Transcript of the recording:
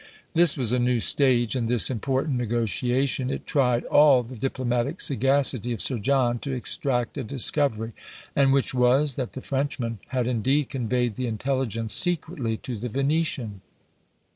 This was a new stage in this important negotiation: it tried all the diplomatic sagacity of Sir John to extract a discovery; and which was, that the Frenchman had, indeed, conveyed the intelligence secretly to the Venetian.